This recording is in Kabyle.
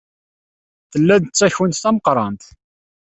Tella-d d takunt tameqrant.